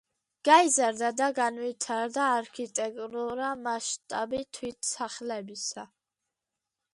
გაიზარდა და განვითარდა არქიტექტურა, მასშტაბი თვით სახლებისა.